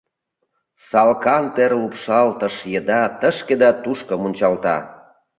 Салкан тер лупшалтыш еда тышке да тушко мунчалта.